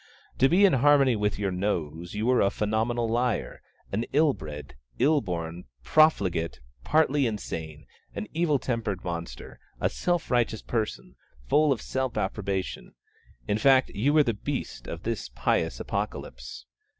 To be in harmony with your nose, you were a 'phenomenal' liar, an ill bred, ill born, profligate, partly insane, an evil tempered monster, a self righteous person, full of self approbation in fact you were the Beast of this pious Apocalypse.